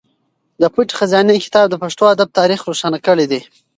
د پټې خزانې کتاب د پښتو ادب تاریخ روښانه کړی دی.